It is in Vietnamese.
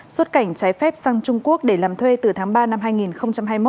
xuất cảnh trái phép sang trung quốc để làm thuê từ tháng ba năm hai nghìn hai mươi một